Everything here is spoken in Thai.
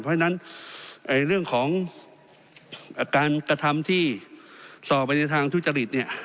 เพราะฉะนั้นเรื่องของการกระทำที่สอบไปในทางทุจริตเนี่ย